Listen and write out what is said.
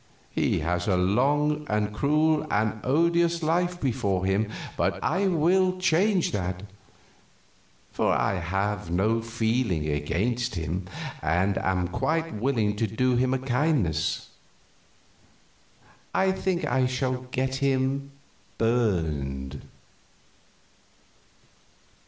He has a long and cruel and odious life before him, but I will change that, for I have no feeling against him and am quite willing to do him a kindness. I think I shall get him burned."